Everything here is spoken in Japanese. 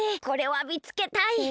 これはみつけたい！